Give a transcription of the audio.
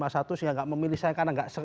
sehingga tidak memilih saya karena tidak